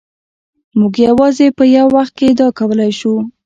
موږ یوازې په یو وخت کې ادعا کولای شو.